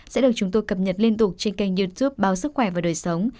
sẽ được chúng tôi cập nhật liên tục trên kênh youtube báo sức khỏe và đời sống